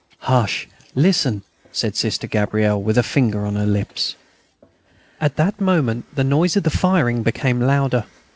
"Hush! Listen," said Sister Gabrielle with a finger on her lips. At that moment the noise of the firing became louder.